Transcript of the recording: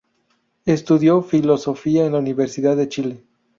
Estudió Filosofía en la Universidad de Chile.